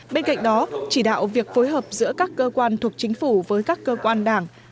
bên cạnh đó chỉ đạo việc phối hợp giữa các cơ quan thuộc chính phủ với các cơ quan đảng